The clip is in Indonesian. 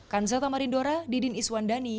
kansel tamarindora didin iswandani